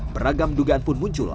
beragam dugaan pun muncul